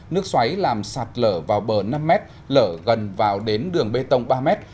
nước xoáy làm sạt lở vào bờ năm mét lở gần vào đến đường bê tông ba mét